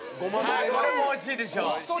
これも美味しいでしょう。